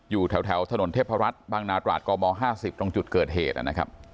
อยู่แถวถนนเทพรัฐบางนาตราดกม๕๐ตรงจุดเกิดเหตุนะครับ